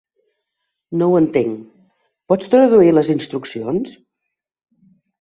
No ho entenc. Pots traduir les instruccions?